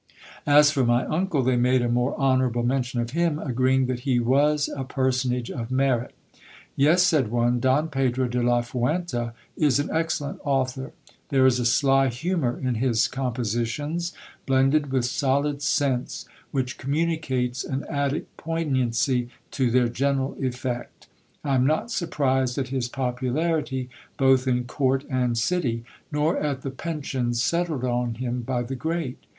As for my uncle, they made a more honourable mention of him, agreeing that he was a personage of merit. Yes, said one, Don Pedro de la Fuenta is an excellent author ; there is a sly humour in his compo sitions, blended with solid sense, which communicates an attic poignancy to their general effect. I am not surprised at his popularity both in court and city, nor at the pensions settled on him by the great.